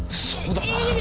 そうだな！